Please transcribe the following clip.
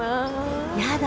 やだ